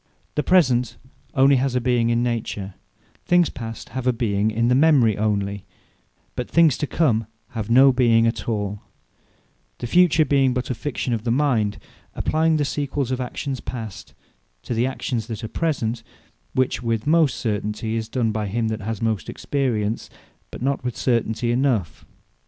The Present onely has a being in Nature; things Past have a being in the Memory onely, but things To Come have no being at all; the Future being but a fiction of the mind, applying the sequels of actions Past, to the actions that are Present; which with most certainty is done by him that has most Experience; but not with certainty enough.